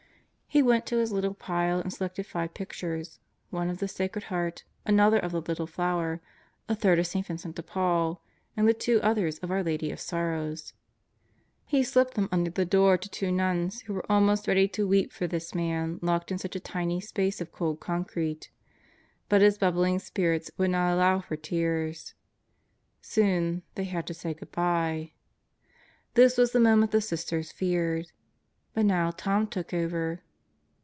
He went to his little pile and selected five pictures: one of the Sacred Heart, another of the Little Flower, a third of St. Vincent de Paul, and two others of Our Lady of Sorrows. He slipped them under the door to two nuns who were almost ready to weep for this man locked in such a tiny space of cold concrete. But his bubbling spirits would not allow for tears. Soon, they had to say good by. This was the moment the Sisters feared. But now Tom took over.